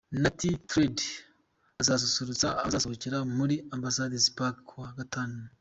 Natty Dread azasusurutsa abazasohokera muri Ambassador's Park kuwa Gatanu.